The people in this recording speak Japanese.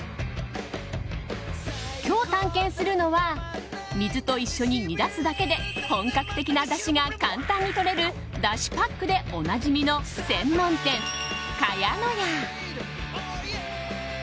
今日、探検するのは水と一緒に煮出すだけで本格的なだしが簡単にとれるだしパックでおなじみの専門店茅乃舎。